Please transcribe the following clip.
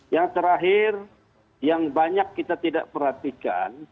yang terakhir yang banyak kita tidak perhatikan